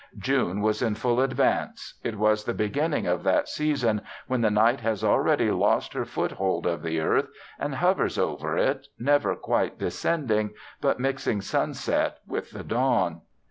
June was in full advance; it was the beginning of that season when the night has already lost her foothold of the earth and hovers over it, never quite descending, but mixing sunset with the dawn.